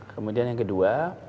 kemudian yang kedua